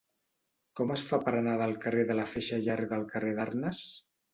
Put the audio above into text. Com es fa per anar del carrer de la Feixa Llarga al carrer d'Arnes?